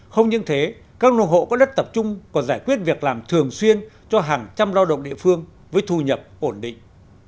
không những thế các nông hộ có đất tập trung còn giải quyết việc làm thường xuyên cho hàng trăm lao động địa phương với thu nhập ổn định